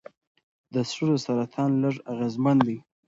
د سږو سرطان لږ اغېزمن دی.